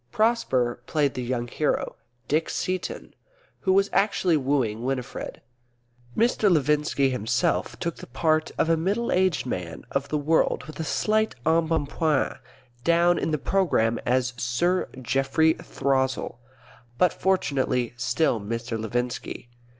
Prosper played the young hero, Dick Seaton, who was actually wooing Winifred. Mr. Levinski himself took the part of a middle aged man of the world with a slight embonpoint; down in the programme as Sir Geoffrey Throssell, but fortunately still Mr. Levinski.